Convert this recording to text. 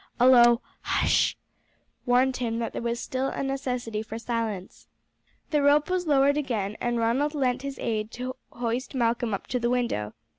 A low "Hush!" warned him that there was still a necessity for silence. The rope was lowered again, and Ronald lent his aid to hoist Malcolm up to the window.